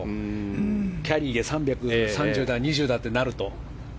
キャリーで３３０だ、３２０だとなると。